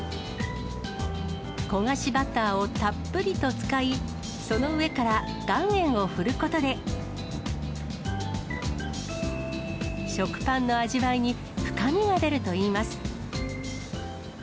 焦がしバターをたっぷりと使い、その上から岩塩を振ることで、食パンの味わいに深みが出るといいます。